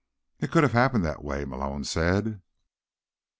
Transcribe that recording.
"It could have happened that way," Malone said.